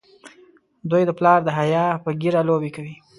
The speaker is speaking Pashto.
دوی د پلار د حیا په ږیره لوبې کوي.